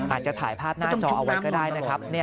อาจจะถ่ายภาพหน้าจอเอาไว้ก็ได้นะครับ